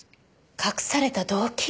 隠された動機？